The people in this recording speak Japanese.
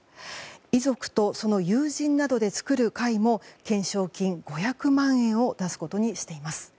遺族とその友人などで作る会も懸賞金５００万円を出すことにしています。